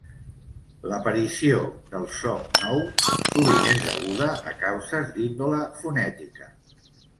L'aparició del so nou sovint és deguda a causes d'índole fonètica.